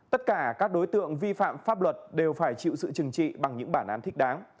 tất cả các đối tượng vi phạm pháp luật đều phải chịu sự trừng trị bằng những bản án thích đáng